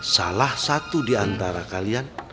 salah satu diantara kalian